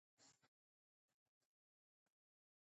موږ چې کله د رنتنبور نوم اورو